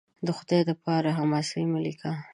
د خدای دپاره! حماسې مه لیکه